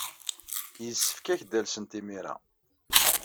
Yessefk ad ak-d-alsent imir-a.